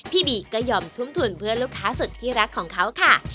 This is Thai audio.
บีก็ยอมทุ่มทุนเพื่อลูกค้าสุดที่รักของเขาค่ะ